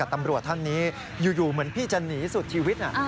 ตำรวจท่านนี้อยู่เหมือนพี่จะหนีสุดชีวิต